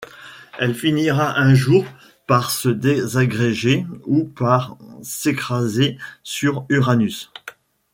Elle finira un jour par se désagréger ou par s'écraser sur Uranus.